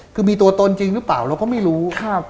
คือมีตัวตนจริงหรือเปล่าเราก็ไม่รู้